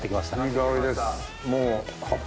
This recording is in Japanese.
いい香りです。